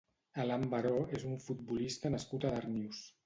Alan Baró és un futbolista nascut a Darnius.